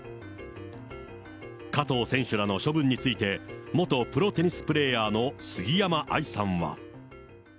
加藤選手らの処分について、元プロテニスプレーヤーの杉山愛さんは。